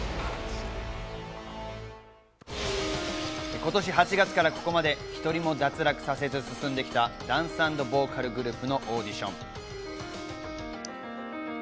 今年８月からここまで、１人も脱落させず進んできたダンス＆ボーカルグループのオーディション。